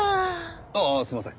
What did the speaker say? ああすいません。